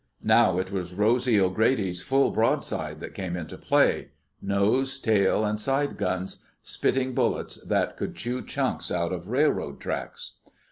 Now it was Rosy O'Grady's full broadside that came into play—nose, tail and side guns, spitting bullets that could chew chunks out of railroad tracks.